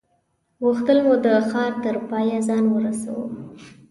غوښتل مو د ښار تر پایه ځان ورسوو.